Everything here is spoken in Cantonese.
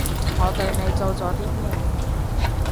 我對你做咗啲咩？